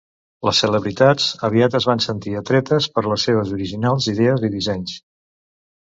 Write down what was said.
Les celebritats aviat es van sentir atretes per les seves originals idees i dissenys.